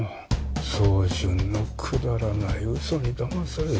宗純のくだらないウソにだまされて。